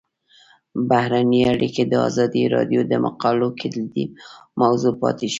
بهرنۍ اړیکې د ازادي راډیو د مقالو کلیدي موضوع پاتې شوی.